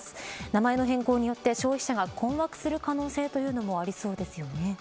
名前の変更によって消費者が困惑する可能性もありそうですよね。